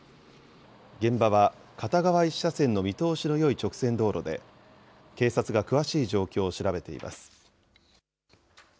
現場は片側１車線の見通しのよい直線道路で、警察が詳しい状況を調べています。